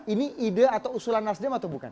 ini ide atau usulan nasdem atau bukan